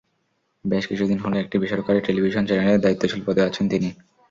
বেশ কিছুদিন হলো একটি বেসরকারি টেলিভিশন চ্যানেলের দায়িত্বশীল পদে আছেন তিনি।